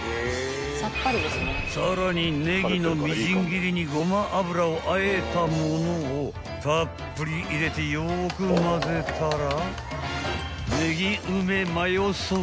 ［さらにネギのみじん切りにごま油をあえたものをたっぷり入れてよくまぜたら］